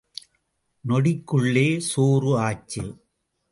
நொடிக்குள்ளே சோறு ஆச்சு.